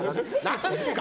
何すか！